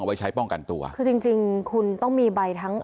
ไว้ใช้ป้องกันตัวคือจริงจริงคุณต้องมีใบทั้ง